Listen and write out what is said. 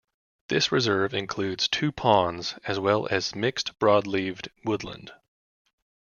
This reserve includes two ponds, as well as mixed broadleaved woodland.